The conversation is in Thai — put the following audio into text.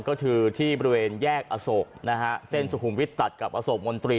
ก็คือที่บริเวณแยกอโศกนะฮะเส้นสุขุมวิทย์ตัดกับอโศกมนตรี